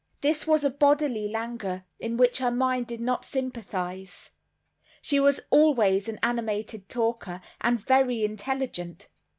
This was a bodily languor in which her mind did not sympathize. She was always an animated talker, and very intelligent.